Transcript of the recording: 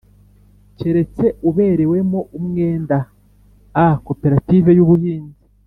keretse uberewemo umwenda a koperative yu buhinzi